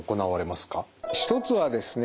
一つはですね